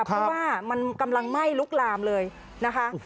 เพราะว่ามันกำลังไหม้ลุกลามเลยนะคะ